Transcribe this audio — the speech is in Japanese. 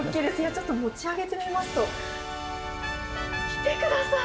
ちょっと持ち上げてみますと、見てください。